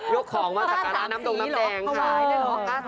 ยกของมาจากการณ์น้ำตรงน้ำแดงค่ะข้าว๓สีหรอถ่วายได้หรอ